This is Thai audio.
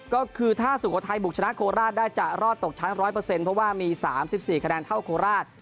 ก็คือถ้าสุโขทัยบุกชนะโคลราชได้จะรอดตกชั้นร้อยเปอร์เซ็นต์เพราะว่ามีสามสิบสี่คะแนนเท่าโคลราช